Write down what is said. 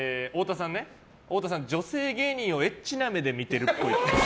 太田さん、女性芸人をエッチな目で見てるっぽい。